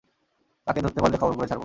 তাকে ধরতে পারলে খবর করে ছাড়বো।